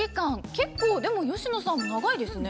結構でも佳乃さんも長いですね。